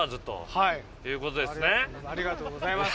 ありがとうございます。